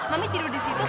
mami tidur di situ